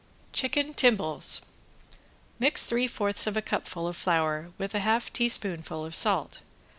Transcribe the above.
~CHICKEN TIMBALES~ Mix three fourths of a cupful of flour with a half teaspoonful of salt.